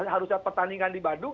harusnya pertandingan di bandung